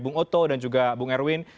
bung oto dan juga bung erwin